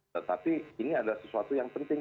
tetapi ini adalah sesuatu yang penting